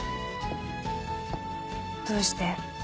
どうして？